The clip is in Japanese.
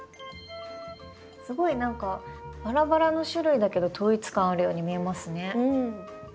すごい何かバラバラの種類だけど統一感あるように見えますね。